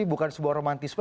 bukan sebuah romantisme